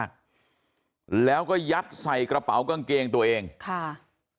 สวัสดีครับคุณผู้ชาย